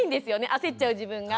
焦っちゃう自分が。